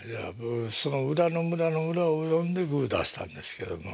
その裏の裏の裏を読んでグー出したんですけども。